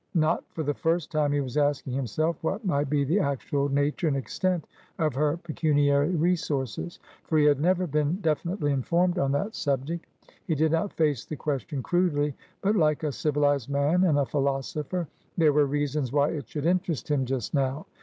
Not for the first time, he was asking himself what might be the actual nature and extent of her pecuniary resources, for he had never been definitely informed on that subject. He did not face the question crudely, but like a civilised man and a philosopher; there were reasons why it should interest him just now.